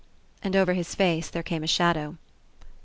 And over his face there came a shadow.